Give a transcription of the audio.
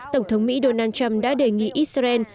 tổng thống mỹ donald trump đã đề nghị israel